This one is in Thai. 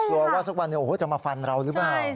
ว่าสักวันจะมาฟันเราหรือเปล่า